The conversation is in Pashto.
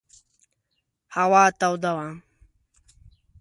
هوا توده وه.